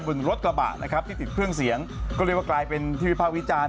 บนรถกระบะนะครับที่ติดเครื่องเสียงก็เรียกว่ากลายเป็นที่วิภาควิจารณ์